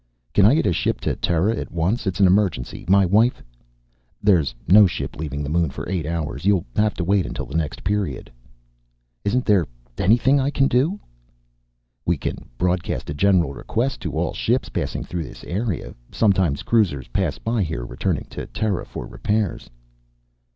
"Can I get a ship to Terra at once? It's an emergency. My wife " "There's no ship leaving the moon for eight hours. You'll have to wait until the next period." "Isn't there anything I can do?" "We can broadcast a general request to all ships passing through this area. Sometimes cruisers pass by here returning to Terra for repairs."